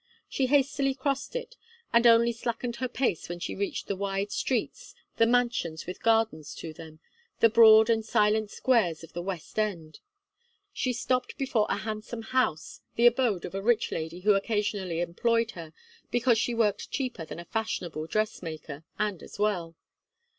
She hastily crossed it, and only slackened her pace when she reached the wide streets, the mansions with gardens to them, the broad and silent squares of the west end. She stopped before a handsome house, the abode of a rich lady who occasionally employed her, because she worked cheaper than a fashionable dress maker, and as well.